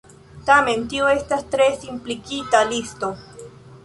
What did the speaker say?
Tamen, tio estas tre simpligita listo.